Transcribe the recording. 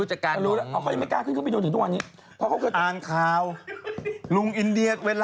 จนถึงทุกวันนี้เหรอ